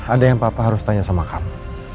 ada yang papa harus tanya sama kamu